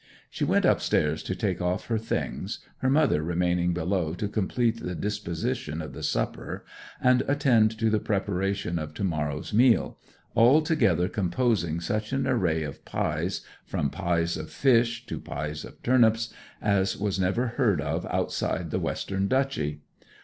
She went upstairs to take off her things, her mother remaining below to complete the disposition of the supper, and attend to the preparation of to morrow's meal, altogether composing such an array of pies, from pies of fish to pies of turnips, as was never heard of outside the Western Duchy.